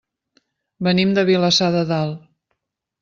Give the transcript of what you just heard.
Venim de Vilassar de Dalt.